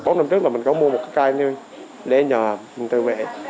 bốn năm trước là mình có mua một cái cây như để nhòm mình tự vệ